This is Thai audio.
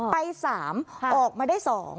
ไป๓ออกมาได้๒